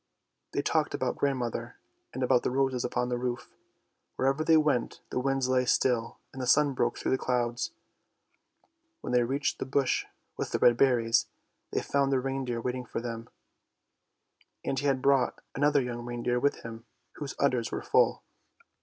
They talked about grandmother, and about the roses upon the roof. Wherever they went the winds lay still and the sun broke through the clouds. When they reached the bush with the red berries they found the reindeer waiting for them, and he had brought another young reindeer with him, whose udders were full.